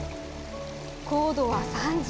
硬度は３０。